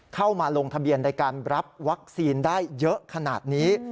เข้ามาลงทะเบียนในการรับวัคซีนได้เยอะขนาดนี้